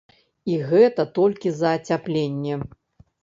І гэта толькі за ацяпленне.